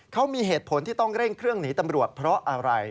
เขามีเหตุผลที่ต้องเร่งเครื่องหนีตำรวจเพราะอะไร